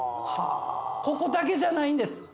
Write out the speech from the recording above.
ここだけじゃないんです。